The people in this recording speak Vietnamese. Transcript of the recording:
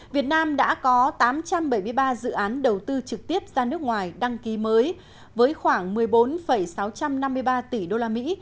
việt nam đã có tám trăm bảy mươi ba dự án đầu tư trực tiếp ra nước ngoài đăng ký mới với khoảng một mươi bốn sáu trăm năm mươi ba tỷ đô la mỹ